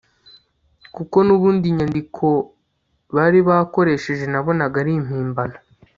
kuko nubundi inyandikobari bakoresheje nabonaga ari impimbano